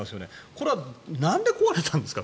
これはなんで壊れたんですか？